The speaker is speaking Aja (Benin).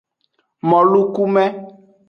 Molukume.